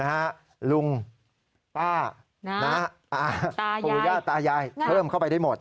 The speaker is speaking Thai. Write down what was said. นะฮะลุงป้าน้าตาภูเย่าตายายเพิ่มเข้าไปได้หมด